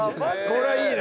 これはいいね